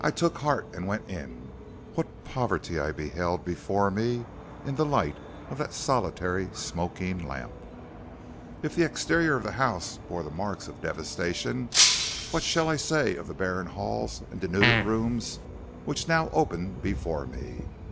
"I took heart and went in. What poverty I beheld before me in the light of that solitary smoking lamp! If the exterior of the house bore the marks of devastation, what shall I say of the barren halls and denuded rooms which now opened before me?